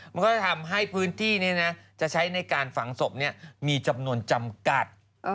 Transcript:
มันก็จะทำให้พื้นที่นี้นะจะใช้ในการฝังศพมีจำนวนจำกัด